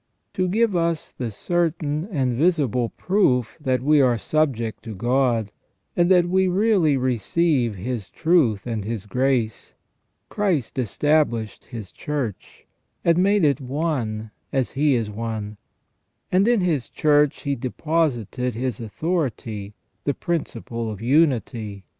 To give us the certain and visible proof that we are subject to God, and that we really receive His truth and His grace, Christ established His Church, and made it one as He is one, and in His Church He deposited His authority, the principle of unity.